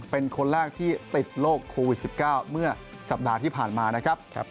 เป็นคนแรกที่ติดโรคโควิด๑๙เมื่อสัปดาห์ที่ผ่านมานะครับ